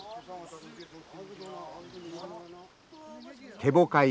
ケボカイ。